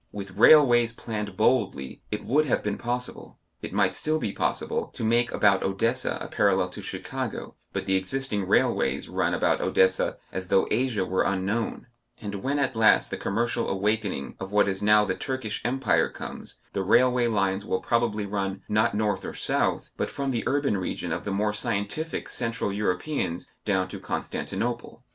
With railways planned boldly, it would have been possible, it might still be possible, to make about Odessa a parallel to Chicago, but the existing railways run about Odessa as though Asia were unknown; and when at last the commercial awakening of what is now the Turkish Empire comes, the railway lines will probably run, not north or south, but from the urban region of the more scientific central Europeans down to Constantinople.